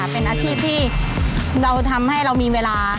เป็นอาชีพที่เราทำให้เรามีเวลา